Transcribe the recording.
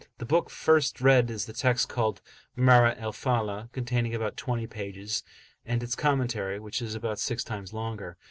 The book first read is the text, called Marah al Falah, containing about twenty pages, and its commentary, which is about six times longer.